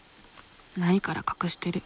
ないから隠してる。